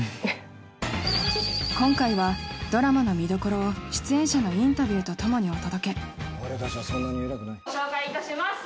今回はドラマの見どころを出演者のインタビューとともにお届けご紹介いたします。